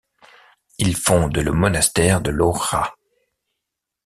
Il fonde le monastère de Lorrha.